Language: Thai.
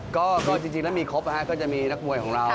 ก็จริงแล้วมีครบก็จะมีนักมวยของเรา